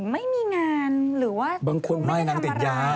ทำไมตอนนี้เขาถึงไม่มีงานหรือว่าไม่ได้ทำอะไร